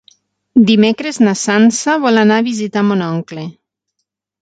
Dimecres na Sança vol anar a visitar mon oncle.